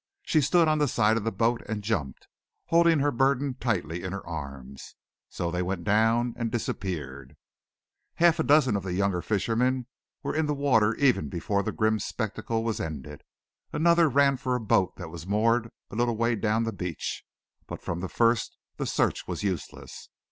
She stood on the side of the boat and jumped, holding her burden tightly in her arms. So they went down and disappeared. Half a dozen of the younger fishermen were in the water even before the grim spectacle was ended; another ran for a boat that was moored a little way down the beach. But from the first the search was useless.